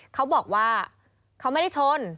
เขาบอกว่าเขาไม่ได้ชน